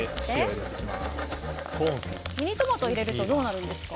ミニトマトを入れるとどうなるんですか？